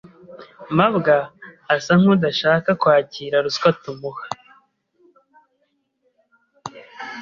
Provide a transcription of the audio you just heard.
mabwa asa nkudashaka kwakira ruswa tumuha.